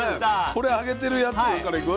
これ揚げてるやつからいく？